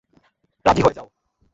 রাজি হয়ে যাও।